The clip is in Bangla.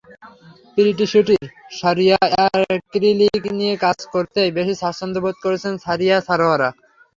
প্রিটি শিটির সারিয়াঅ্যাক্রিলিক নিয়ে কাজ করতেই বেশি স্বাচ্ছন্দ্য বোধ করতেন সারিয়া সাওয়ারো।